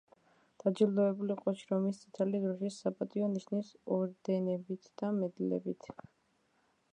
დაჯილდოვებული იყო შრომის წითელი დროშის „საპატიო ნიშნის“ ორდენებით და მედლებით.